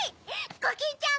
コキンちゃん